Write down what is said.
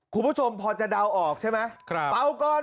คุณผู้ชมพอจะเดาออกใช่ไหม